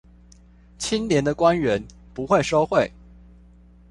清廉的官員不會收賄